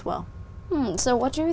để hướng dẫn